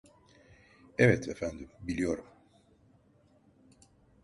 Evet, efendim, biliyorum.